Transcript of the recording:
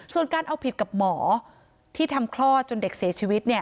ส่วนการเอาผิดกับหมอที่ทำคลอดจนเด็กเสียชีวิต